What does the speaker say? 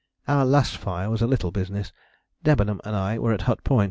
Our last fire was a little business. Debenham and I were at Hut Point.